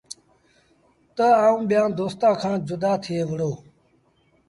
تا آئوٚݩ ٻيآݩ دوستآݩ کآݩ جدآ ٿئي وُهڙو ۔